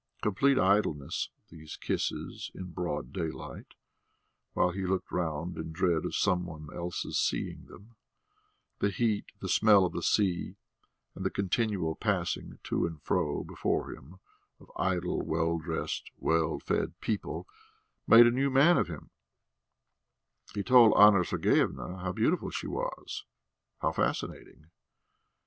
Complete idleness, these kisses in broad daylight while he looked round in dread of some one's seeing them, the heat, the smell of the sea, and the continual passing to and fro before him of idle, well dressed, well fed people, made a new man of him; he told Anna Sergeyevna how beautiful she was, how fascinating.